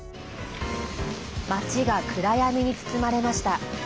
町が暗闇に包まれました。